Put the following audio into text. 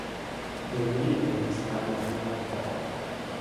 The reading room is now the MacLaurin Hall.